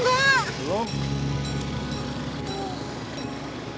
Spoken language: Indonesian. udah tanya ya